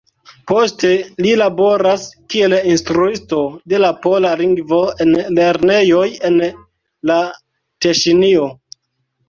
Poste li laboras kiel instruisto de la pola lingvo en lernejoj en la Teŝinio.